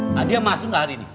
nah dia masuk hari ini